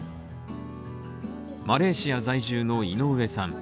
マレーシア在住の井上さん